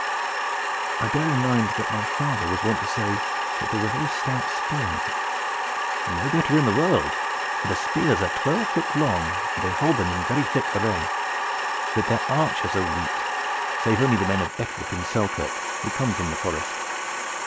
"I bear in mind that my father was wont to say that they were very stout spearmen." "No better in the world, for the spears are twelve foot long and they hold them in very thick array; but their archers are weak, save only the men of Ettrick and Selkirk who come from the forest.